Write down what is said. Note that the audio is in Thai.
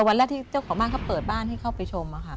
วันแรกที่เจ้าของบ้านเขาเปิดบ้านให้เข้าไปชม